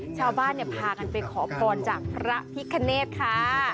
ชาวบ้านเนี่ยพากันไปขอบกรจากพระพิกษณ์เนทค่ะ